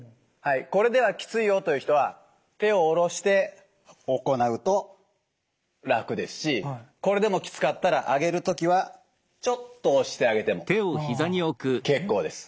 これではきついよという人は手を下ろして行うと楽ですしこれでもきつかったらあげる時はちょっと押してあげても結構です。